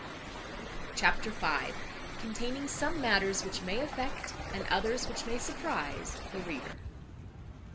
Chapter v. Containing some matters which may affect, and others which may surprize, the reader.